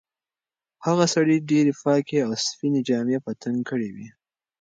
هغه سړي ډېرې پاکې او سپینې جامې په تن کړې وې.